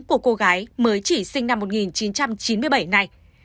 của cô gái mới chỉ sinh năm một nghìn chín trăm chín mươi bảy này